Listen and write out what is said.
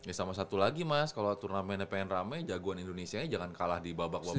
ya sama satu lagi mas kalau turnamennya pengen rame jagoan indonesia jangan kalah di babak babak